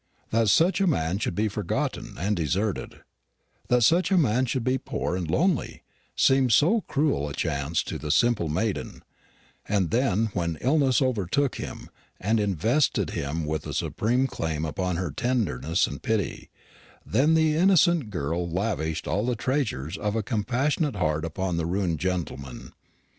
That such a man should be forgotten and deserted that such a man should be poor and lonely, seemed so cruel a chance to the simple maiden: and then when illness overtook him, and invested him with a supreme claim upon her tenderness and pity, then the innocent girl lavished all the treasures of a compassionate heart upon the ruined gentleman.